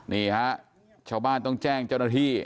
นี่ฮะชาวบ้านต้องแจ้งเจ้าหน้าที่